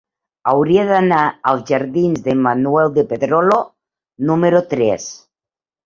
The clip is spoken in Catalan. Hauria d'anar als jardins de Manuel de Pedrolo número tres.